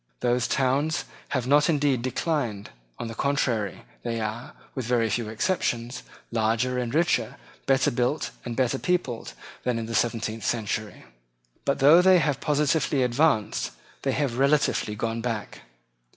Those towns have not indeed declined. On the contrary, they are, with very few exceptions, larger and richer, better built and better peopled, than in the seventeenth century. But, though they have positively advanced, they have relatively gone back.